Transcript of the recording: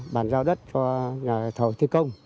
bàn giao đất cho nhà thờ thi công